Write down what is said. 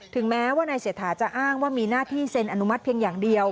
แม้ว่านายเศรษฐาจะอ้างว่ามีหน้าที่เซ็นอนุมัติเพียงอย่างเดียว